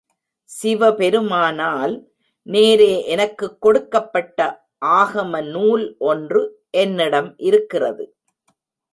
சிவபெருமானால் நேரே எனக்குக் கொடுக்கப்பட்ட ஆகமநூல் ஒன்று என்னிடம் இருக்கிறது.